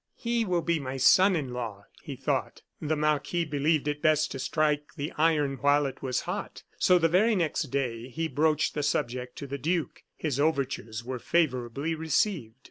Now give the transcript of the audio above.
"He will be my son in law," he thought. The marquis believed it best to strike the iron while it was hot. So, the very next day, he broached the subject to the duke. His overtures were favorably received.